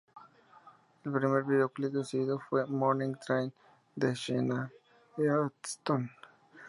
El primer videoclip exhibido fue ""Morning Train"" de Sheena Easton.